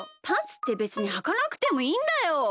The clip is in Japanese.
パンツってべつにはかなくてもいいんだよ。